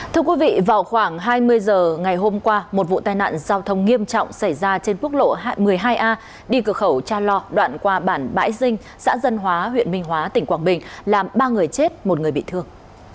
thưa quý vị vào khoảng hai mươi h ngày hôm qua một vụ tai nạn giao thông nghiêm trọng xảy ra trên quốc lộ một mươi hai a đi cửa khẩu cha lo đoạn qua bản bãi dinh xã dân hóa huyện minh hóa tỉnh quảng bình làm ba người chết một người bị thương